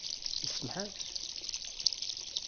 Isuref-as?